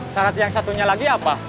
syarat yang satunya lagi apa